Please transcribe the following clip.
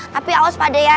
tapi awas pade ya